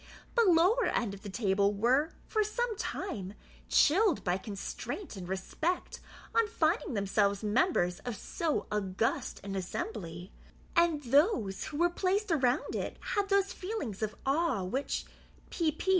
The lower end of the table were, for some time, chilled by constraint and respect on finding themselves members of so august an assembly; and those who were placed around it had those feelings of awe with which P.